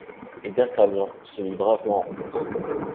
Et d'Artagnan se mit bravement en route.